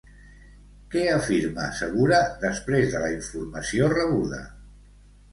Què afirma segura després de la informació rebuda?